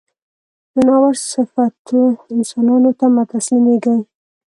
ځناور صفتو انسانانو ته مه تسلیمېږی.